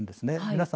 皆さん